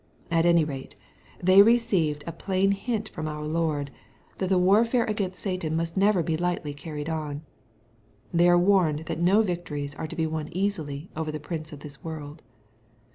At any rate they receive a plain hint from our Lord, that the warfare against Satan must never be lightly carried on. They are warned that no victories are to be won easily over the prince of this world.